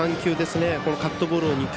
３球、カットボールを２球。